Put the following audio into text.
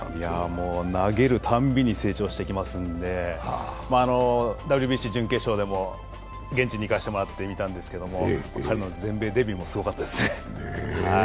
もう投げるたんびに成長していきますので、ＷＢＣ準決勝でも現地に行かせてもらって見たんですけど、彼の全米デビューもすごかったですね。